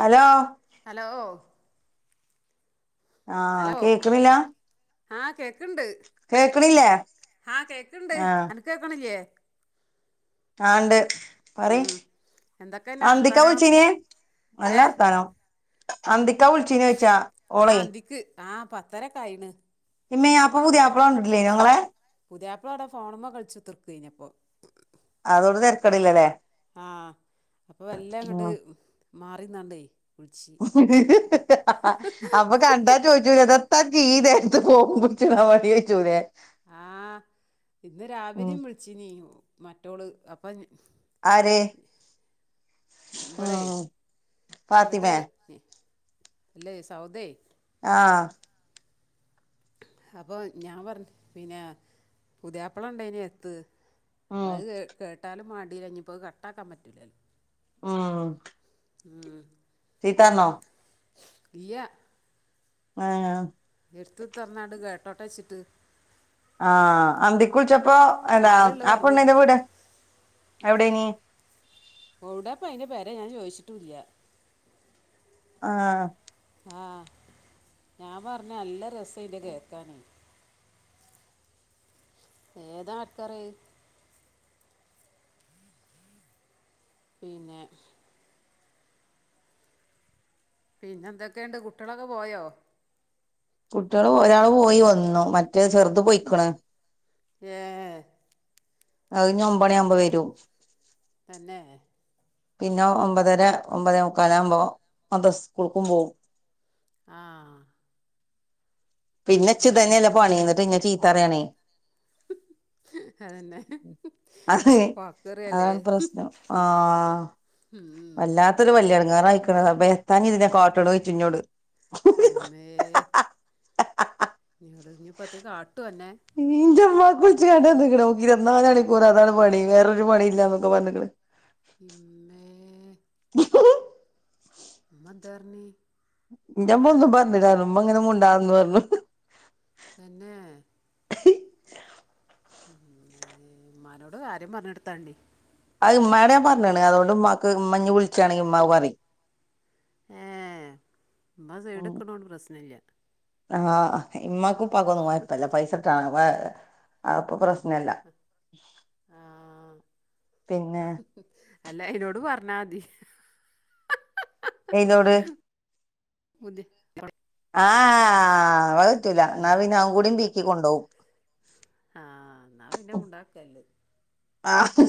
Hello hello ആ hello കേക്കുന്നില്ലാ ആ കേക്കണ്ട് കേക്കണില്ലേ ആ കേക്കണ്ട് ആ അനക്ക് കേക്കണില്ലേ ആണ്ട് പറയ് ഉം എന്തൊക്കെന്നെ ആ അന്തിക്കാ വർത്താനം വിളിച്ചീനിയേ ഏ നല്ലവർത്താനം അന്തിക്കാ വിളിച്ചീന് ചോയിച്ചാ ഹാ ഓളെ അന്തിക്ക് ആ പത്തരെക്കെയായിണ് യിമ്മേ അപ്പ പുതിയാപ്പ്ള കണ്ടിട്ടില്ലേ ഞങ്ങളെ പുതിയാപ്ള ഇവിടെ ഫോണിമ്മേ കളിച്ച് തീർക്കുകയാഞ്ഞപ്പോ അതോണ്ട് തരക്കേടില്ലാല്ലേ ആ അപ്പൊ മെല്ലെയങ്ങോട്ട് മാറിന്നൊണ്ടേ വിളിച്ച് ആ അപ്പൊ കണ്ടാ ചോയിച്ചൂലേ ഇതെന്താ ഗീതേ ഇത് ഫോൺ പിടിച്ചെന്താ പണി ചോയ്ച്ചൂലേ ആ ഇന്ന് ഉം രാവിലെയും വിളിച്ചിനീ മറ്റോള് അപ്പൊഞാ ആര് ഇബളേ ഉം ഇങ്ങട്ട് ഫാത്തിമേ അല്ലേ സൗദേ ആ അപ്പൊ ഞാൻ പറഞ്ഞു പിന്നെ പുതായാപ്ള ഉണ്ടേനിയെത്ത് അപ്പ ഉം അത് കേ കേട്ടാലും മാണ്ടീല ഇഞ്ഞിപ്പോത് കട്ടാക്കാൻ പറ്റൂലല്ലോ ഉം ഉം ചീത്താർനോ ഇല്ല്യ ഏഹ് എട്ത്തുർത്തർന്നാണ്ട് കേട്ടോട്ടേച്ചിട്ട് ആഹ് അന്തിക്കുൾച്ചപ്പോ എന്താ കാര്യമുള്ളത് ആഹ് പെണ്ണിന്റെ പറഞ്ഞെടുത്തു വീട് എവ്ടേനീ ഔടെപ്പയ്ന്റെ പേര ഞാൻ ചോയ്ച്ചിട്ടൂല്ല്യ ആഹ് ആഹ് ഞാൻ പർഞ്ഞ നല്ല രസം ഐന്റെ കേക്കാന് ഏതാ ആക്കാറ് പിന്നെ പിന്നെന്തൊക്കേണ്ട് കുട്ട്യാളൊക്കെ പോയോ കുട്ട്യാള് ഒരാള് പോയി വന്നു മറ്റേ ചെർത് പൊയ്ക്കിണ് ഏഹ് അഞ്ഞ് ഒമ്പണ്യാമ്പൊ വരും തന്നെ പിന്നെ ഒമ്പതര ഒമ്പതേ മുക്കാലാമ്പോ മദ സ്കൂൾക്കും പോം ആഹ് പിന്നെച്ച് അങ്ങനെ ഇതെന്ന്യല്ലെ പണി ഇന്നിട്ട് ഇന്നെ ചീത്തറയാണേ അതന്നെ അതെ വാക്കറിയല്ലേ അതാണ് പ്രശ്നം ആഹ് ഉം വല്ലാ ത്തൊര് വല്ല്യടങ്ങാറായ്ക്ക്ണ് റബ്ബേ എത്താ ഇഞ്ഞിതിനെ കാട്ടിണോയ്ചുഞ്ഞോട് ഇമ്മേ [unintelligible] ഇഞ്ഞിപ്പത്തെ കാട്ട്വോ അന്നെ ഇഞ്ചെമ്മാക്കുൾച്ചിങ്ങാണ്ട് അർഞിക്കിണ് ഓക്ക് ഇര്വത്നാലണിക്കുറു അതാണ് പണി വേറൊരു പണീല്ലന്നൊക്കെ പർഞ്ഞിക്കിണ് ഇമ്മെ ഇമ്മന്ത്യേ പർണീ ൻ്റെമ്മൊന്നും പർഞ്ഞാലർഞ്ഞ് ഇമ്മങ്ങനെ മുണ്ടാന്നു അർഞ്ഞു തന്നെ ഉം ഇമ്മാനോട് കാര്യം പർഞ്ഞൊട്ത്താണ്ടി അത് ഇമ്മാട് ആൻ പർഞ്ഞീണ് അതോണ്ട് ഇമ്മാക്ക് ഇമ്മഞ്ഞ് വിൾച്ചാണെങി ഇമ്മാ പറിം ഏഹ് ഇമ്മ ഉം സെയ്ടിക്കിണോണ്ട് പ്രസ്നല്ല്യ ആഹ് ഇമ്മാക്കുപ്പാക്കൊന്നും കൊയ്പ്പല്ല പൈസട്ടാനാണ് ആഹ് അപ പ്രശ് ആഹ് പിന്നെ അല്ല അയ്നോട് പർഞ്ഞാതി എയ്തോട് [unintelligible] അഹ് വറ്റൂല ഇന്നാ എന്നാ പിന്ന ഔങ്കൂടിം പീക്കി കൊണ്ടോവും ആഹ് ഇന്നാ പിന്നെ മുണ്ടാക്കല്ലെ ആഹ്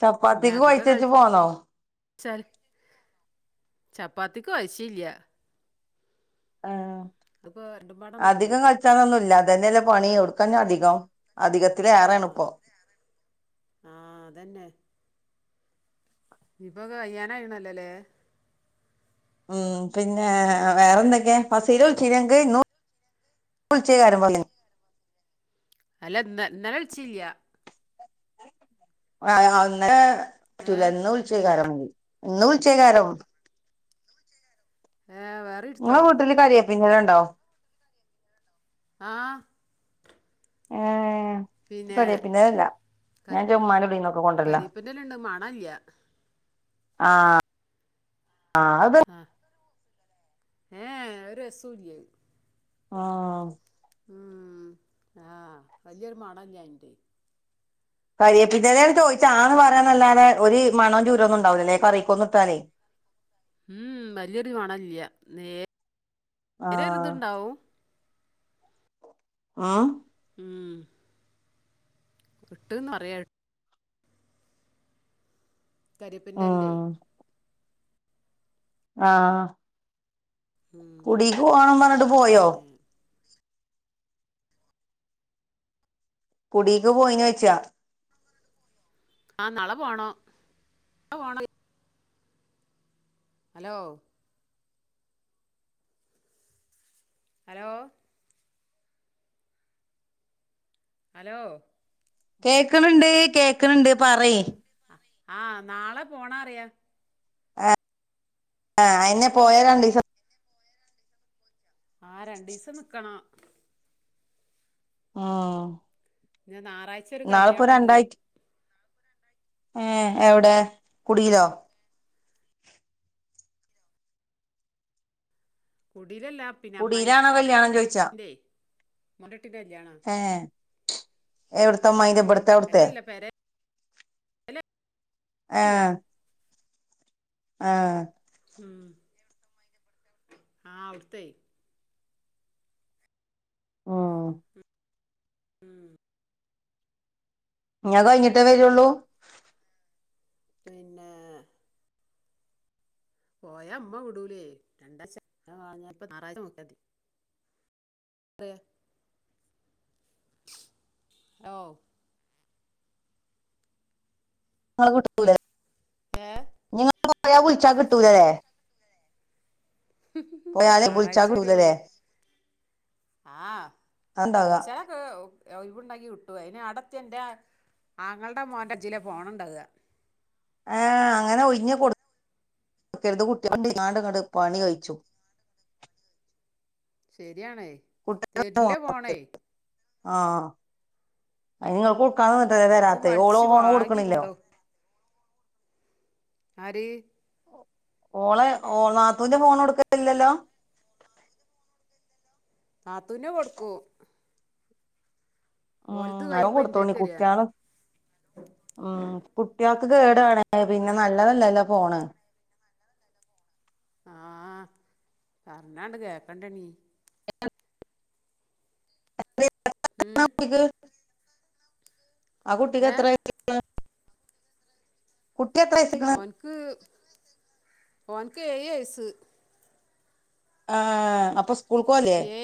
ചപ്പാത്തിക്ക് കൊഴ്ച്ചച്ച് പോന്നോ ചാല് ചപ്പാത്തിക്കൊയ്ചീല്ല്യ ആഹ് അത്പ്പോ രണ്ടും പാ ന്നക്കൂല്ലേ ചനൊന്നുല്ല തന്നല്ലെ പണി ഒട്ക്കാഞ്ഞധികം അധിക ആഹ് ആഹ് അതന്നെ ഇപ്പൊ കയ്യാനായിണല്ലെല്ലേ ഉം പിന്നെ വേറെ എന്തൊക്കെയാ ഫസീല വുള്ചീന്യ അനക്ക് ഇന്ന് വുള്ച്ചോയ്കാരം പർഞ്ഞ് അല്ല ന്ന ന്നലെ വിള്ച്ചില്ല ആഹ് അഹ് ന്നലെ ഏ പറ്റൂല ന്ന് വുള്ച്ചോയ്ക്കാരം ണെങ്കി ന്ന് വിള്ച്ചോകാരം എഹ് വേർ ങ്ങളെ വീട്ടില് കര്യേപിൻ്റെലണ്ടോ ആഹ് ഏഹ് പിന്നെ കാര്യേപ്പിന്റെഎല ഇല്ല ഞാൻ ക- ന്റെ മ്മാന്റുടീന്നൊക്കെ കൊണ്ടര്ലാ കരിയേപ്പിൻ്റെ ഇല ഉണ്ട് മണമില്ല ആഹ് ആഹ് അത് ആഹ് ഏഹ് യേ ഒരസൂല്ല്യഅഹ് ആഹ് ഉം ആഹ് വല്യോരു മണല്യാഞ്ഞിട്ടേ കാര്യേപ്പിന്റെലെന്ന് ചോയ്ച്ച ആഹ് ന്ന് പായന്നല്ലാതെ ഒര് മണം ചൂരൊന്നും ണ്ടാവുലലെ കറിക്കൊന്നും ഇട്ടാലെയ് ഉം വലിയൊരു കൊണല്യാ നേ ആ ര്യരു ഇത്ണ്ടാവും ആഹ് ഉം ഇട്ട്ന്നറയാ കരെപ്പിന്റെഎൽല് ഉം ആഹ് കുടീക്ക് പോണം പറ്ഞ്ഞ്ട്ട് പോയോ പിന്നെ കുടീക്ക് പോയിനോയ്ച്ച ആഹ് നാളെ പോണം [unintelligible] ഹലോ ഹലോ ഹലോ കേക്ക്ണ് ണ്ട് കേക്ക്ണ് ണ്ട് പറി അ ആഹ് നാളെ പോണറ്യാ ആഹ് അയന്നെ പോയ രണ്ടിസം ആഹ് രണ്ടീസം നിക്കണം ആഹ് ന്നെ ന്നാറാഴ്ച ഒരു കല്യാണണ്ട് ഏഹ് എവ്ടെ കുടീലോ കുടീലല്ല അ കുടീലാണോ കല്യാണം ചോയ്ച്ച മ്മോന്റുട്ടിന്റെ കല്യാണാ ഏഹ് എവ്ട്ത്ത അമ്മായിന്റെ ഇബട്ത്തെ ഔട്ത്തെ അല്ലല്ല പെരല്ല ഏഹ് ആഹ് ഹും ആഹ് ഔട്ത്തെയ് ആഹ് ഉം ഞ് അ കഴിഞ്ഞട്ടേ വെരൊള്ളൂ പിന്നെ പോയ അമ്മ വിടൂലേ രണ്ടാപ്പ ഞാറാഴ്ച നോക്കിയാതി [unintelligible] ആവു ങ്ങളെ [unintelligible] വീട്ട് ഏ [unintelligible] ഞ് [unintelligible] വിളിച്ചാകിട്ടൂലല്ലേ പോയാലേ വിളിച്ചാ ഞായ്റാഴ്ച വെരൊള്ളൂ കിട്ടൂലല്ലേ ആഹ് അത്ണ്ടാക വിൾച്ചണം ഏവു ഒഴിവ്ണ്ടെങ്കി കിട്ടും അയിന് ആടെ എത്തിയ ന്റെ ആങ്ങൾന്റെ മോന്റജ്ജ്ലാ ഫോണ് ണ്ടാവ്അ. ഏഹ് അങ്ങനെ ഒഴിഞ്ഞ് [unintelligible] ഇങ്ങട് പണി കഴിച്ചു ശരിയാണേ തരില്ല ഫോണേ ആഹ് [unintelligible] ഇത് വരാത്ത ഓളോ വലിച്ച് ഫോണോ വാങ്ങി കൊടുക്കണില്ലോ കൊണ്ടുപോകും ആര് ഓളെ ഓ നാത്തൂന്റെ ഫോൺ കൊടുക്കല്ലല്ലോ കാത്തുനെ കൊടുക്കൂ കഴിയുമ്പോ ഉം ഇന്റെക്ക് വരിക [unintelligible] ഉം കുട്ടികൾക്ക് കേടാണ് പിന്നെ നല്ലതല്ലല്ലോ ഫോണ് ആഹ് പറഞ്ഞണ്ട് കേക്കണ്ട നീ [inaudible] [inaudible] ഉം കുട്ടിക്ക് ആ കുട്ടിക്ക് ഏ എത്ര [unintelligible] ഓൻക്ക് ഓൻക്ക് ഏഴു വയസ്സ് ആഹ് അപ്പൊ സ്കൂൾക്ക് പോവല്ലേ ഏ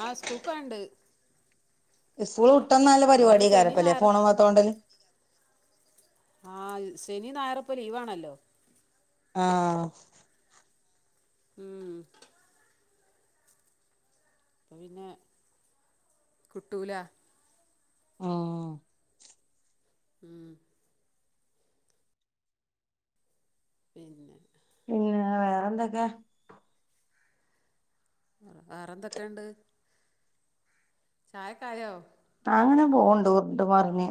ആഹ് സ്കൂൾക്കാണ്ട് സ്കൂൾ വിട്ട് വന്നാൽ ള്ള ഇന്നിപ്പോ പരിപാടി ശനി [unintelligible] ഞായർ ഫോണ്മ്മ ത്തോണ്ടല് ആഹ് ശനി ഞായർപ്പ ലീവാണല്ലോ ആഹ് ഉം പ്പോ പിന്നെ കുട്ടൂല ആഹ് ഉം പിന്നെ [unintelligible] വേറെ എന്തൊക്കെ വേറെന്തൊക്കെണ്ട് ചായ ഒക്കെ ആയോ ആഹ് അങ്ങനെ പോണ്ട് ഉർണ്ട് മറിഞ്ഞ്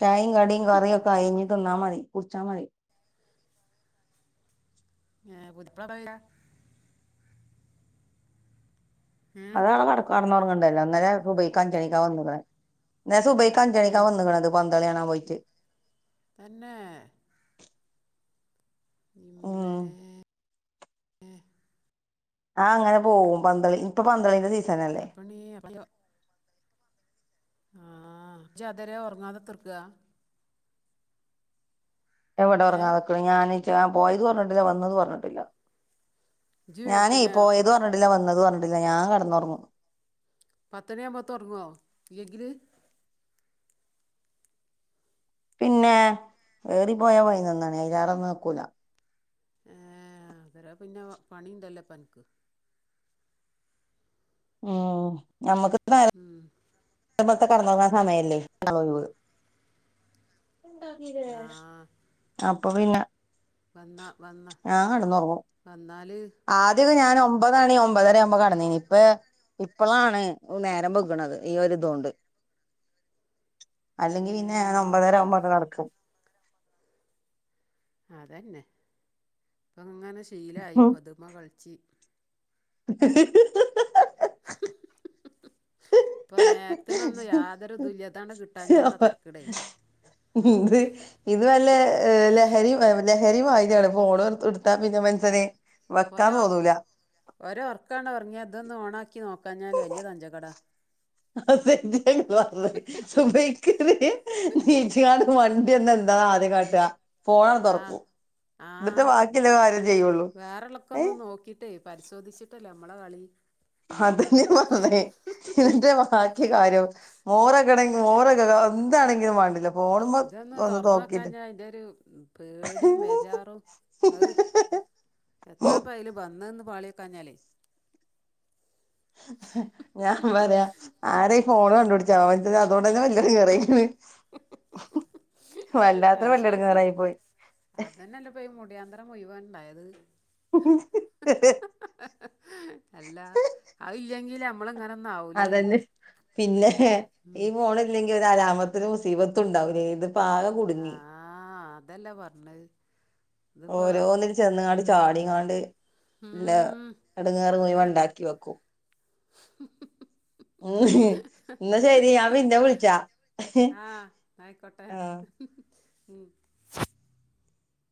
ചായേം കടിം കറിയൊക്കെ ആയി ഇഞ്ഞി തിന്നാ മതി കുടിച്ചാ മതി [unintelligible] ഉം അതാട കടക്ക കടന്നോർങ്ങ ണ്ടല്ലോ ഇന്നലെ സുബിയിക്ക അഞ്ചണിക്ക വന്ന്ക്ണെ അന്നരം സുബൈ അഞ്ചണിക്ക ഉം വന്നത് [unintelligible] പന്ത് കളി കാണാൻ പോയിറ്റ് തന്നെ ഉം ഇമ്മേ ആഹ് അങ്ങനെ പോവും പന്തളി ഇപ്പൊ പന്തളിന്റെ സീ അപ്പണ്ണിയെ ആഹ് ഇജ്ജ് അതാരെ ഉറങ്ങാതെ [unintelligible] എവിടെ ഏ ഉറങ്ങാതക്ക്ണെ ഞാൻ നീ ച്ചാ ഞാൻ പോയതു അറിഞ്ഞിട്ടില്ല വന്നതു അറിഞ്ഞിട്ടില്ല ഇജ്ജ് ഞാനേ പിന്നെ പോയത് അറിഞ്ഞിട്ടില്ല വന്നതു അറഞ്ഞിട്ടില്ല ഞാൻ കിടന്ന് ഉറങ്ങും പത്തു മണി ആവുമ്പോത്ത് ഉറങ്ങോ ഇല്ലങ്കില് പിന്നെ ഏറി പോയാ പൈനൊന്ന് മണി അയിലെറെന്നും നിക്കൂല ഏഹ് അന്നരം പിന്നെ പണിണ്ടല്ലേ അൻക്ക് ഉം നമ്മക്ക് ഉം കടന്ന് ഒറങ്ങൻ സമയല്ലേ ആ അപ്പൊ പിന്ന വന്ന വന്ന വന്നാല് ആദ്യയൊക്കെ ഞാൻ ഒമ്പതണി ഒമ്പതര ആമ്പോകടന്നീനി ഇപ്പോ ഇപ്പളാണ് നേരം ബെഗ്ണത് ഈ ഒര്തോണ്ടൽ ഇതോണ്ട് അല്ലെങ്കി ഏ ഞാൻ ഒമ്പതര ആമ്പക്ക് കടക്കും അതന്നെ ഇപ്പങ്ങനെ ശീലായിപ്പോതുമ്മോ കളിച്ചി [unintelligible] ആപ്പോ നേർ തിനൊന്ന് യാതൊരു ഇതുല്യയ ആതാണ് കിട്ടാഞ്ഞാള്ള തരക്കടായി എന്ത് ഇത് വല്ല ഏഹ് ലഹരി ലഹരിമായിരിയാണ് ഫോണ്എണ്ട്ത്ത് കൊണ്ടുത്താ പിന്നെ മനസ്സനെ ഒരഓർ ഒരർക്ക് ആണ്ട് ഉറങ്ങിയാ ഇതൊന്ന് ഓണാക്കി നോക്കാഞ്ഞാൽ വെല്യയ തഞ്ചക്കട [unintelligible] സുബിക്ക് നി നിച്ചങ്ങാട് മണ്ടി വന്ന എന്താ ആദ്യം കാട്ട ഫോണങ്ങ് ആ തോറക്കൂ എന്നിട്ടേ ആ ബാക്കില്ലേ കാര്യം ചെയ്യുള്ളൂ ഏയ് നോക്കിട്ടെ പരിസോധിച്ചിട്ടല്ലേ നമ്മളെ കളി അതന്നേ പറഞ്ഞേ എന്ന്ട്ടേ ബാ ക്കി കാര്യള്ളൂ മോറഗണേ മോറാഗഗ എന്താണെങ്കിലും വേണ്ടില്ല ഫോണുമ്മെ ഇതൊന്ന് ഒന്ന് നോക്കിട്ട് തുറന്നോക്കാഞാ എന്റെ ഒരു പേടിയും ബെജാറും അത് എത്താപ്പ അല് വന്ന നിന്ന് പാളിയെക്കാഞ്ഞാലേ ഞാൻ പറയാ ആര ഫോണ് കണ്ടു പിടിച്ച അവൻ അതുകൊണ്ട തന്നെ വലത്ന് കേറെകിന്ന് വല്ലാത്ത അത് ശെരിയാ വല്ലെടങ്ങേറായി പോയി അത് തന്നെയല്ല ഇപ്പൊ ഈ മുടിയാന്തരം മുയ്യുവൻ ഉണ്ടായത് ഉ അല്ല അയില്ലെങ്കിലെ നമ്മള ഇങ്ങനൊന്നാവും അതന്നെ പിന്നെ ഹേ ഉം ഈ മോഡൽ അല്ലെങ്കിൽ ഒരു ആരാമത്തിന് മുസീബത്തണ്ടാവും ഇത് പാക കുടുങ്ങി ആ അതല്ലേ പറഞ്ഞത് ഇതിപ്പോ ഓരോന്നി ചെന്ന്ങ്ങാണ്ട് ചാടിങ്ങാണ്ട് നല്ല ഉം എടങ്ങേറ് മുഴുവൽ അതല്ലേ പ ഉണ്ടാക്കി വെക്കും എന്ന ശരി ഞാൻ പിന്നെ വിളിച്ചാ ആ ആയിക്കോട്ടെ ആഹ് ഉം